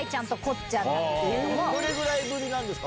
どれぐらいぶりですか？